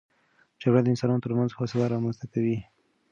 جګړه د انسانانو ترمنځ فاصله رامنځته کوي.